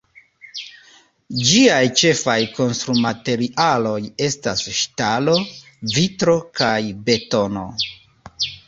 Ĝiaj ĉefaj konstrumaterialoj estas ŝtalo, vitro kaj betono.